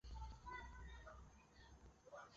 千田是也是日本资深演员。